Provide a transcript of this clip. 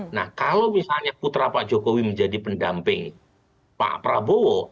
nah kalau misalnya putra pak jokowi menjadi pendamping pak prabowo